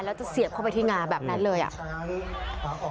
แล้วจะเสียบเข้าไปที่งาแบบนั้นเลยอ่ะ